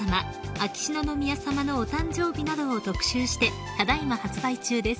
秋篠宮さまのお誕生日などを特集してただ今発売中です］